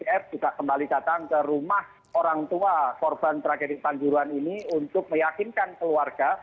if juga kembali datang ke rumah orang tua korban tragedi kanjuruhan ini untuk meyakinkan keluarga